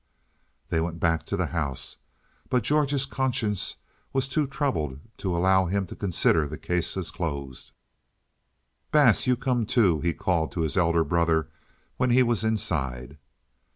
They went back to the house, but George's conscience was too troubled to allow him to consider the case as closed. "Bass, you come, too," he called to his elder brother when he was inside.